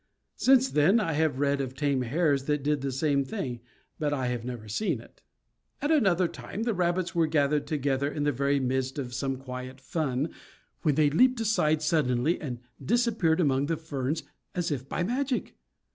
Since then I have read of tame hares that did the same thing, but I have never seen it. At another time the rabbits were gathered together in the very midst of some quiet fun, when they leaped aside suddenly and disappeared among the ferns as if by magic.